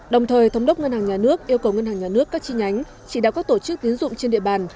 đồng thời thống đốc ngân hàng nhà nước yêu cầu ngân hàng nhà nước các chi nhánh chỉ đạo các tổ chức tiến dụng trên địa bàn